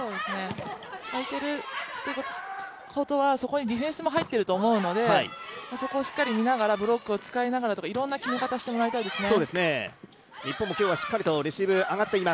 空いているということはそこにディフェンスも入っていると思うのでそこをしっかり見ながら、ブロックを使いながらとかいろいろな決め方をしてもらいたいですね。